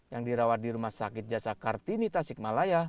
yang dirawat di rumah sakit jasa kartini tasikmalaya